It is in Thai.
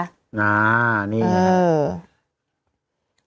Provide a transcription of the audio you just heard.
อ่านี่ค่ะ